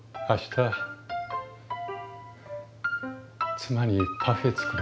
妻にパフェ作ろう。